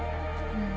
うん。